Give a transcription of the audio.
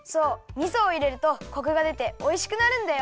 みそをいれるとコクがでておいしくなるんだよ。